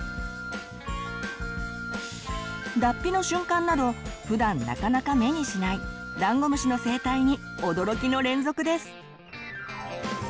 脱皮の瞬間などふだんなかなか目にしないダンゴムシの生態に驚きの連続です。